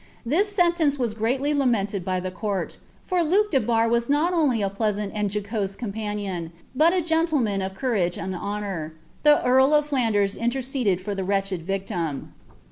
This aentence was groulv lamented by ttie court ; for Luke de Barre was not only a pl^asaut anil jocose companion, but a gentleman of courage and honour. The ai of Flanders interceded for the wretched victim.'